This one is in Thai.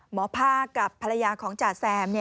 หมอภาคกับภรรยาของจ่าแซม